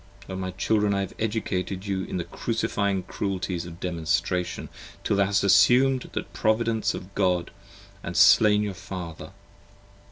O my Children, 55 I have educated you in the crucifying cruelties of Demonstration Till you have assum'd the Providence of God & slain your Father.